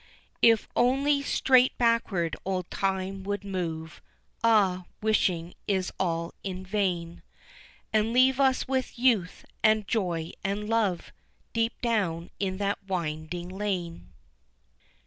If only straight backward old time would move (Ah, wishing is all in vain), And leave us with youth, and joy, and love, Deep down in that winding lane.